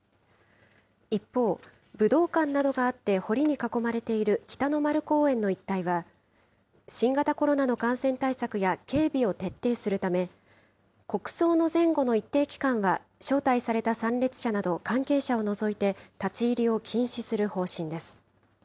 一方、武道館などがあって堀に囲まれている北の丸公園の一帯は、新型コロナの感染対策や警備を徹底するため、国葬の前後の一定期間は招待された参列者など関係者を除いて、立ち入りを禁止する方針です。